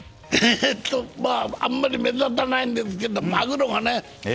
あんまり目立たないんですけどマグロがね